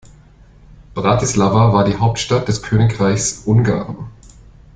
Bratislava war die Hauptstadt des Königreichs Ungarn.